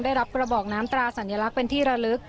ได้รับกระบอกน้ำตราสัญลักษณ์เป็นที่ระลึก